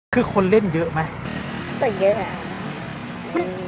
คือคนเล่นเยอะไหมต้องเล่นเยอะล่ะ